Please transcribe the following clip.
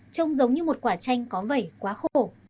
trông giống như một quả chanh có vẩy quá khổ